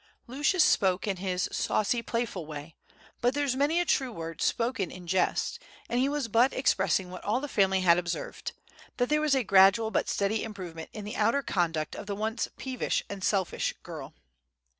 Lucius spoke in his saucy playful way, but "there's many a true word spoken in jest," and he was but expressing what all the family had observed, that there was gradual but steady improvement in the outer conduct of the once peevish and selfish girl.